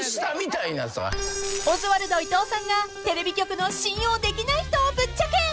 ［オズワルド伊藤さんがテレビ局の信用できない人をぶっちゃけ！］